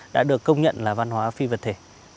đã được công nhận là văn hóa phi vật thể